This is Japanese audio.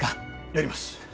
やります。